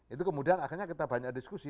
itu kemudian akhirnya kita banyak diskusi